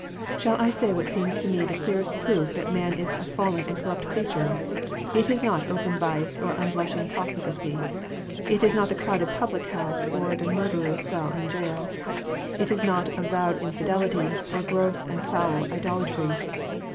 Shall I say what seems to me the clearest proof that man is a fallen and corrupt creature 1 It is not open vice or unblushing profligacy. It is not the crowded public house, or the murderer s cell in a jail. It is not avowed infidelity, or gross and foul idolatry.